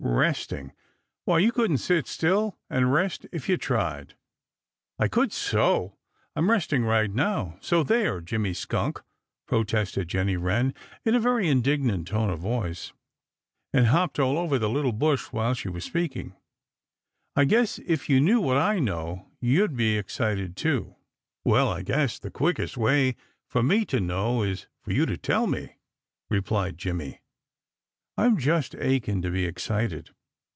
Resting! Why, you couldn't sit still and rest if you tried!" "I could so! I'm resting right now, so there, Jimmy Skunk!" protested Jenny Wren in a very indignant tone of voice, and hopped all over the little bush while she was speaking. "I guess if you knew what I know, you'd be excited too." "Well, I guess the quickest way for me to know is for you to tell me," replied Jimmy. "I'm just aching to be excited."